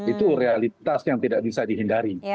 itu realitas yang tidak bisa dihindari